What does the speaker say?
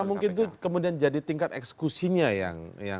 apakah mungkin itu kemudian jadi tingkat ekskusinya yang